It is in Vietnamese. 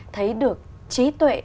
thấy được trí tuệ